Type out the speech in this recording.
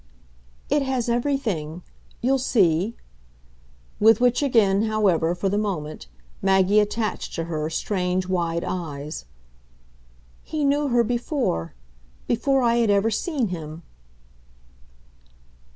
"It has everything. You'll see." With which again, however, for the moment, Maggie attached to her strange wide eyes. "He knew her before before I had ever seen him."